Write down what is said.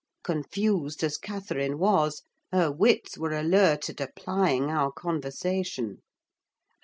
Confused as Catherine was, her wits were alert at applying our conversation.